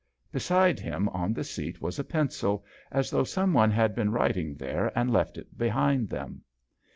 Beside him on the seat was a pencil, as though some one had been writing there and left it behind them.